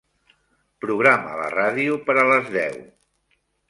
Programa la ràdio per a les deu.